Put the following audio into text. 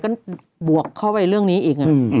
ก็บวกเข้าไปเรื่องนี้อีก